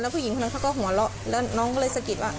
ผู้หญิงคนนั้นเขาก็หัวเราะแล้วน้องก็เลยสะกิดว่า